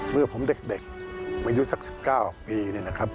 เมื่อผมเด็กอายุสัก๑๙ปีเนี่ยนะครับ